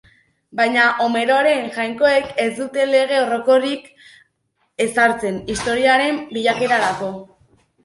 Baina Homeroren jainkoek ez dute lege orokorrik ezartzen historiaren bilakaerarako.